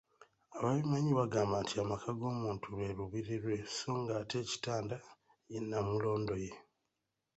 Ababimanyi bagamba nti amaka g‘omuntu lwe Lubiri lwe so ng‘ate ekitanda ye Nnamulondoye.